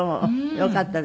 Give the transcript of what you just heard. よかったですよね。